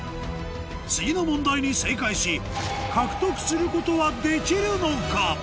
次の問題に正解し獲得することはできるのか？